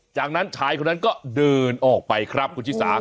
จากนั้นชายคนนั้นก็เดินออกไปครับคุณชิสา